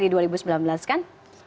di dua ribu sembilan belas kan